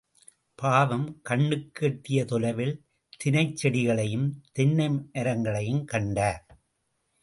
பாவம் கண்ணுக்கு எட்டிய தொலைவில் தினைச் செடிகளையும், தென்னை மரங்களையும் கண்டார்.